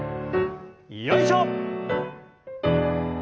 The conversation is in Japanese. よいしょ！